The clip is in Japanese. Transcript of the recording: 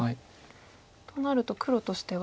となると黒としては。